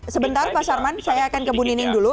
sebentar pak sarman saya akan ke bu nining dulu